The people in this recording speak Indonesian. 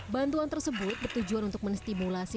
bantuan tersebut bertujuan untuk menstimulasi